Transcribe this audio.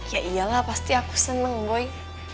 ya iyalah pasti aku seneng goi